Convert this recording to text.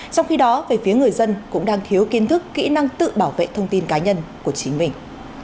trong khi đó về phía người dân cũng đang thiếu kiến thức kỹ năng tự bảo vệ thông tin cá nhân của chính mình